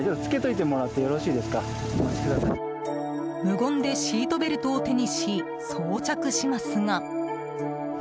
無言でシートベルトを手にし装着しますが。